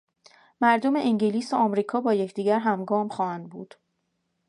مردم انگلیس و امریکا با یکدیگر همگام خواهندبود...